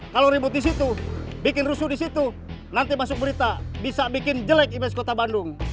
kalau ribut di situ bikin rusuh di situ nanti masuk berita bisa bikin jelek ibas kota bandung